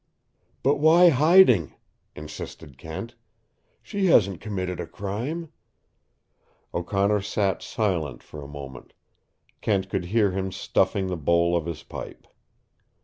"But why HIDING?" insisted Kent. "She hasn't committed a crime." O'Connor sat silent for a moment. Kent could hear him stuffing the bowl of his pipe.